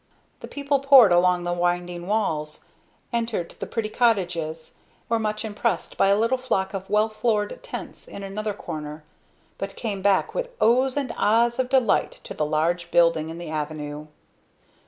The people poured along the winding walls, entered the pretty cottages, were much impressed by a little flock of well floored tents in another corner, but came back with Ohs! and Ahs! of delight to the large building in the Avenue.